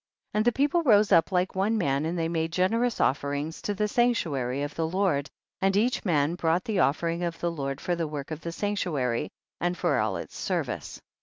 32. And the people rose up like one man and they made generous offerings to the sanctuary of the Lord, and each man brought the of fering of the Lord for the work of the sanctuary, and for all its service.